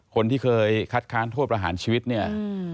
คนที่เคยคัดค้านโทษประหารชีวิตเนี่ย